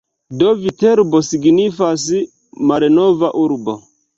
Do Viterbo signifas "malnova urbo".